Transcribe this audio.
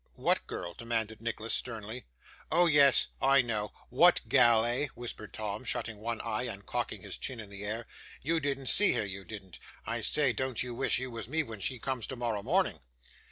'What girl?' demanded Nicholas, sternly. 'Oh yes. I know what gal, eh?' whispered Tom, shutting one eye, and cocking his chin in the air. 'You didn't see her, you didn't I say, don't you wish you was me, when she comes tomorrow morning?